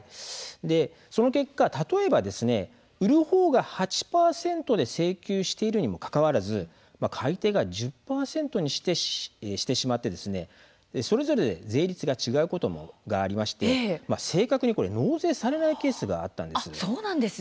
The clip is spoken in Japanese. その結果、例えば売る方が８％で請求しているにもかかわらず買い手が１０％にしてしまってそれぞれ税率が違うことがありまして正確に納税されないケースがあったんです。